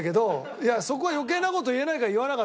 いやそこは余計な事言えないから言わなかったけど。